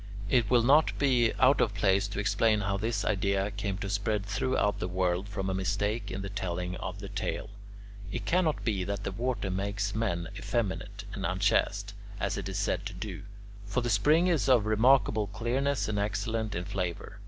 It will not be out of place to explain how this idea came to spread throughout the world from a mistake in the telling of the tale. It cannot be that the water makes men effeminate and unchaste, as it is said to do; for the spring is of remarkable clearness and excellent in flavour.